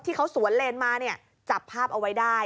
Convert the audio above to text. ที่เขาสวนเลนมาจับภาพเอาไว้ได้